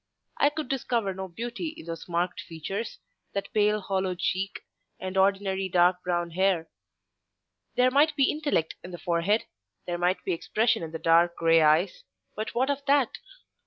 I could discover no beauty in those marked features, that pale hollow cheek, and ordinary dark brown hair; there might be intellect in the forehead, there might be expression in the dark grey eyes, but what of that?